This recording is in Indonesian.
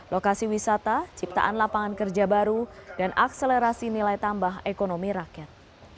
lokasi wisata ciptaan lapangan kerja baru dan akselerasi nilai tambah ekonomi rakyat